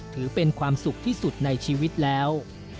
ถือเป็นความสุขที่สุดในชีวิตแล้ว